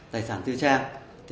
tài sản tư trang